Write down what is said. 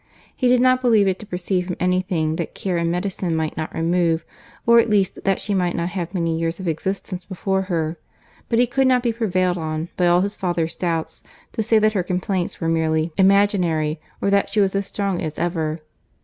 He did not believe it to proceed from any thing that care and medicine might not remove, or at least that she might not have many years of existence before her; but he could not be prevailed on, by all his father's doubts, to say that her complaints were merely imaginary, or that she was as strong as ever.